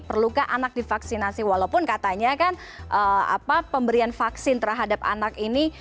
perlukah anak divaksinasi walaupun katanya kan pemberian vaksin terhadap anak ini